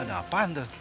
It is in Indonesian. ada apaan tuh